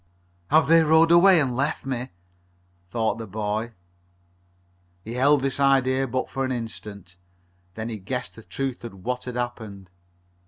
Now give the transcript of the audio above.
"Have they rowed away and left me?" thought the boy. He held this idea but for an instant. Then he guessed the truth of what had happened.